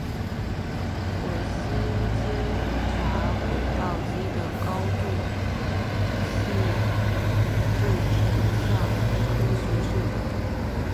火星侦察轨道器的高解析度成像科学设备。